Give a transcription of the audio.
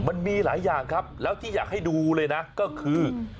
มันมีหลายอย่างครับแล้วที่อยากให้ดูเลยนะก็คือ